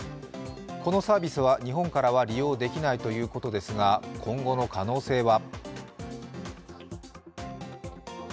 このサービスは日本からは利用できないということですが、今後の可能性は？